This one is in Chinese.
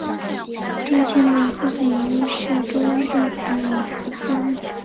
迁都的部分原因是中央政府与南苏丹最大部族巴里部族之间的矛盾。